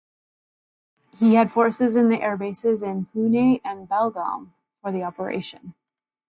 He had forces in the airbases in Pune and Belgaum for the operation.